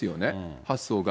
発想が。